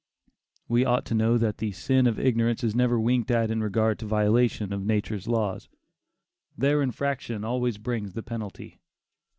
We ought to know that the "sin of ignorance" is never winked at in regard to the violation of nature's laws; their infraction always brings the penalty.